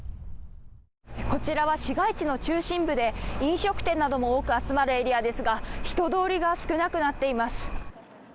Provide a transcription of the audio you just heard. こちらは、市街地の中心部で飲食店なども多く集まるエリアですが人通りが少なくなっています。